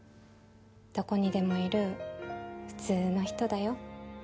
どこにでもいる普通の人だよ。